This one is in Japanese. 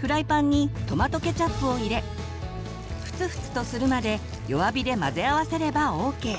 フライパンにトマトケチャップを入れふつふつとするまで弱火で混ぜ合わせればＯＫ。